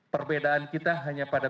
perbedaan kita hanya pada